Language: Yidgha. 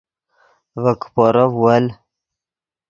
ڤے کیپورف ول